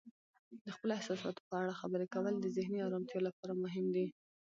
د خپلو احساساتو په اړه خبرې کول د ذهني آرامتیا لپاره مهم دی.